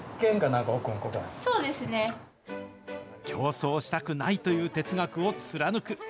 競争したくない！という哲学を貫く。